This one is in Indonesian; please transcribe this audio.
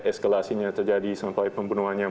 eskalasinya terjadi sampai pembunuhan yang